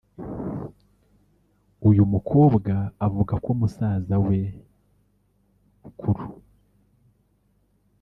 uyu mukobwa avuga ko musaza we mukuru